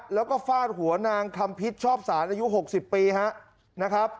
แล้วก็ฟาดหัวนางคำพิษชอบสารอายุ๖๐ปีนะครับ